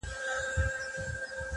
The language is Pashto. چي خپل مُلا چي خپل لښکر او پاچا ولټوو٫